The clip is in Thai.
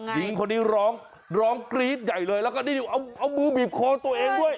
หญิงคนนี้ร้องร้องกรี๊ดใหญ่เลยแล้วก็นี่เอามือบีบคอตัวเองด้วย